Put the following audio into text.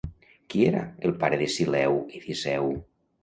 Qui era el pare de Sileu i Diceu?